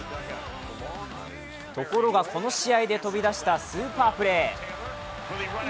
ところが、この試合で飛び出したスーパープレー。